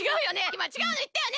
いまちがうのいったよね？